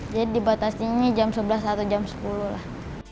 jadi dibatasi ini jam sebelas atau jam sepuluh lah